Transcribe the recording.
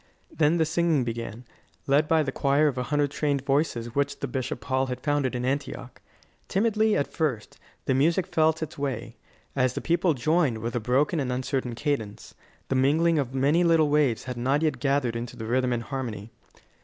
Then the singing began, led by the choir of a hundred trained voices which the Bishop Paul had founded in Antioch. Timidly, at first, the music felt its way, as the people joined with a broken and uncertain cadence: the mingling of many little waves not yet gathered into rhythm and harmony.